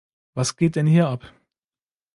Was geht denn hier ab?